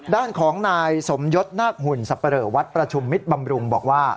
ด้านของนายสมยศนาคหุ่นสับปะเหลอวัดประชุมมิตรบำรุงบอกว่า